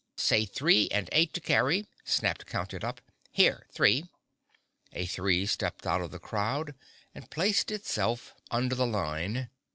"Say three and eight to carry," snapped Count It Up. "Here, Three!" A Three stepped out of the crowd and placed itself under the line.